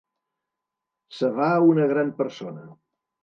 Se va una gran persona.